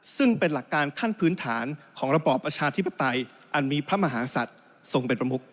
ซึ่งเป็นหลักการขั้นพื้นฐานของระบอบประชาธิปไตยอันมีพระมหาศัตริย์ทรงเป็นประมุข